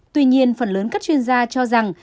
tuy nhiên phần lớn các chuyên gia cho rằng